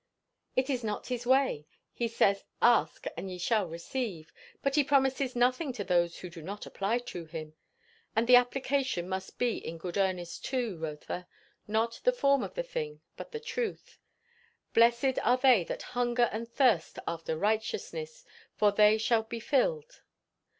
"It is not his way. He says, 'Ask, and ye shall receive'; but he promises nothing to those who do not apply to him. And the application must be in good earnest too, Rotha; not the form of the thing, but the truth. 'Blessed are they that hunger and thirst after righteousness; for they shall be filled.'"